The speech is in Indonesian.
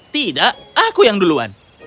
tidak aku yang duluan